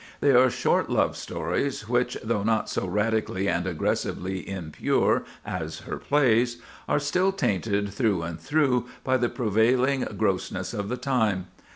They are short love stories which, though not so radically and aggressively impure as her plays, are still tainted through and through by the prevailing grossness of the time.